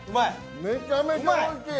めちゃめちゃおいしい。